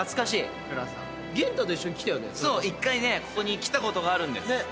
ここに来たことがあるんです。